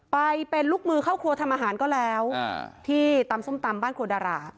ไปเป็นลูกมือเข้าครัวทำอาหารก็แล้วที่ตำส้มตำบ้านครัวดารา